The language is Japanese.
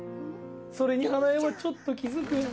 それに花陽はちょっと気づく。